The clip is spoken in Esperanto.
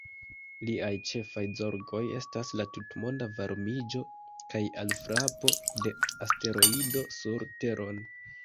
Liaj ĉefaj zorgoj estas la tutmonda varmiĝo kaj alfrapo de asteroido sur Teron.